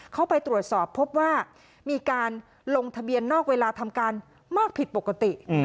เข้าไปตรวจสอบพบว่ามีการลงทะเบียนนอกเวลาทำการมากผิดปกติ